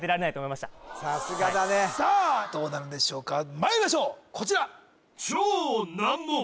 さすがだねさあどうなるんでしょうかまいりましょうこちら